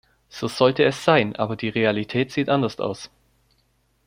So sollte es sein, aber die Realität sieht anders aus.